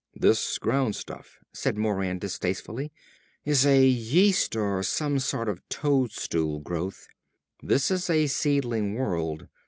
"This ground stuff," said Moran distastefully, "is yeast or some sort of toadstool growth. This is a seedling world.